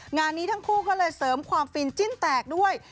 งานนี้ทั้งคู่ก็เลยเสริมความฟินจิ้นแตกด้วย